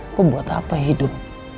aku buat apa hidup